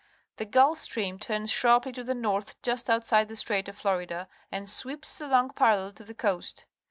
The Gulf Stream turns sharply to the north just outside the Strait of Florida and sweeps along parallel to the coast.